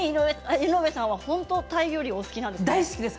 江上さんは本当にタイ料理が好きなんですね。